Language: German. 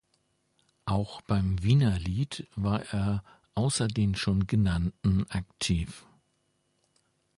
Auch beim Wienerlied war er außer den schon genannten aktiv.